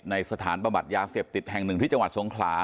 ในสถานประมาทยาเสพติดแห่งหนึ่งที่จังหวัดทรงขลา